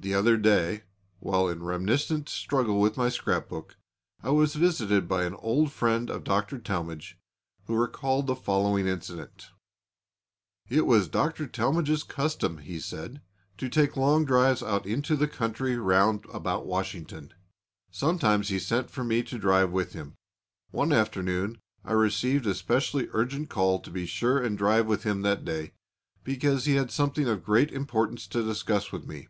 The other day, while in reminiscent struggle with my scrapbook, I was visited by an old friend of Dr. Talmage, who recalled the following incident: "It was Dr. Talmage's custom," he said, "to take long drives out into the country round about Washington. Sometimes he sent for me to drive with him. One afternoon I received a specially urgent call to be sure and drive with him that day, because he had something of great importance to discuss with me.